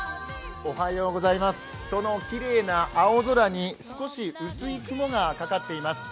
そのきれいな青空に少し薄い雲がかかっています。